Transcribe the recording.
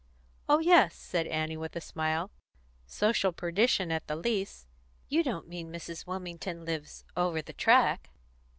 "Oh yes," said Annie, with a smile. "Social perdition at the least. You don't mean that Mrs. Wilmington lives 'Over the Track'?"